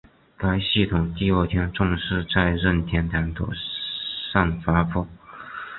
该系统第二天正式在任天堂的上发布。